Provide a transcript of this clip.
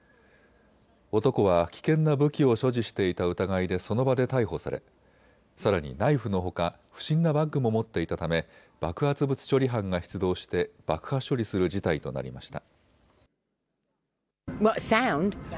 男は危険な武器を所持していた疑いでその場で逮捕されさらにナイフのほか不審なバッグも持っていたため爆発物処理班が出動して爆破処理する事態となりました。